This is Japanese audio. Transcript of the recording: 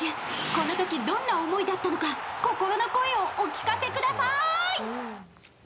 この時どんな思いだったのか心の声をお聞かせください！